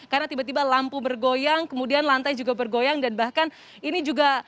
karena tiba tiba lampu bergoyang kemudian lantai juga bergoyang dan bahkan ini juga